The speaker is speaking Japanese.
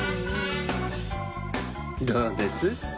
どうです？